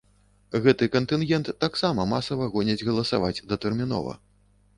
Гэты кантынгент таксама масава гоняць галасаваць датэрмінова.